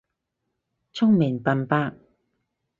聰明笨伯